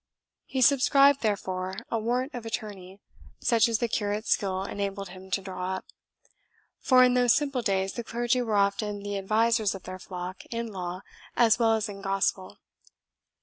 He subscribed, therefore, a warrant of attorney, such as the curate's skill enabled him to draw up; for in those simple days the clergy were often the advisers of their flock in law as well as in gospel.